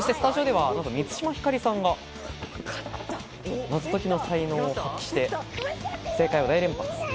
スタジオでは満島ひかりさんがナゾ解きの才能を発揮して、正解を大連発。